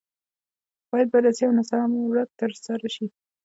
باید بررسي او نظارت ترسره شي.